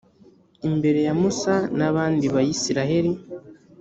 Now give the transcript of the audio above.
imbere ya musa n’abandi bayisraheli.